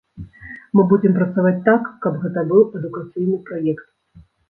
Мы будзем працаваць так, каб гэта быў адукацыйны праект.